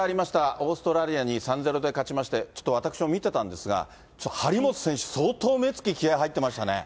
オーストラリアに３ー０で勝ちまして、ちょっと私も見てたんですけど、張本選手、相当目つき、気合い入ってましたね。